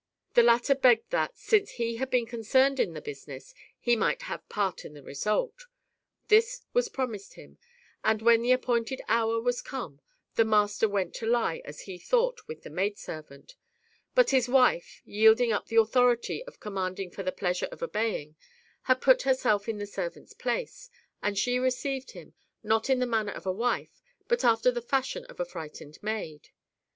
The latter then begged that, since he had been concerned in the business, he might have part in the result. This was promised him, and, when the appointed hour was come, the master went to lie, as he thought, with the maid servant ; but his wife, yielding up the authority of commanding for the pleasure of obeying, had put herself in the servant's place, and she received him, not in the manner of a wife, but after the fashion of a frightened maid.